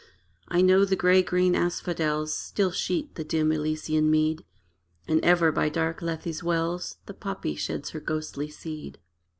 I know the gray green asphodels Still sheet the dim Elysian mead, And ever by dark Lethe's wells The poppy sheds her ghostly seed.